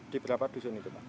di berapa dusun itu pak